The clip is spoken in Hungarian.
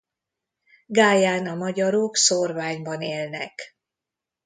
Gályán a magyarok szórványban élnek.